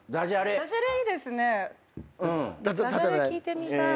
ダジャレ聞いてみたい。